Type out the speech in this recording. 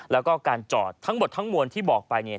แล้วก็การจอดทั้งหมดทั้งมวลที่บอกไปเนี่ย